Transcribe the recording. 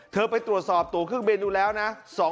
ไปตรวจสอบตัวเครื่องบินดูแล้วนะ